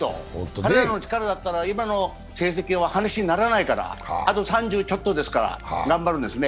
彼らの力だったら今の成績では話にならないから、あと３０ちょっとですから頑張るんですね。